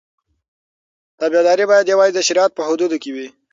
تابعداري باید یوازې د شریعت په حدودو کې وي.